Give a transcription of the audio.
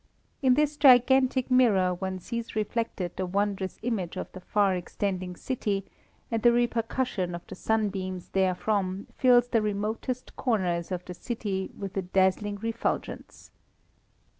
In this gigantic mirror one sees reflected the wondrous image of the far extending city, and the repercussion of the sunbeams therefrom fills the remotest corners of the city with a dazzling refulgence.